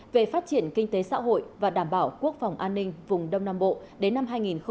về phát triển kinh tế xã hội và đảm bảo quốc phòng an ninh vùng đông nam bộ đến năm hai nghìn hai mươi